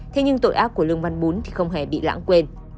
thế nhưng tội ác của lương văn bún thì không hề bị lãng quên